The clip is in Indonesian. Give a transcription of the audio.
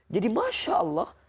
jadi masya allah